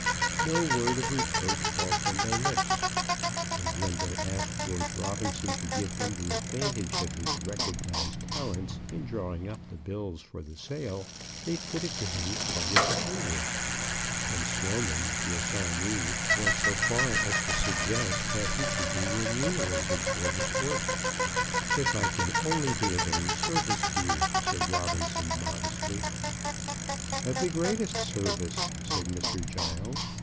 No word of reproach fell from their lips, and when they asked George Robinson to give them the advantage of his recognized talents in drawing up the bills for the sale, they put it to him quite as a favour; and Sloman, the assignee, went so far as to suggest that he should be remunerated for his work. "If I can only be of any service to you," said Robinson, modestly. "Of the greatest service," said Mr. Giles.